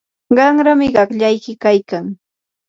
qanrami qaqllayki kaykan.